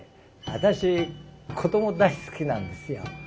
私子ども大好きなんですよ。